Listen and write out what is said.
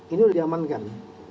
ini sudah diamankan